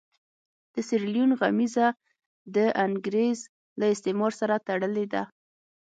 د سیریلیون غمیزه د انګرېز له استعمار سره تړلې ده.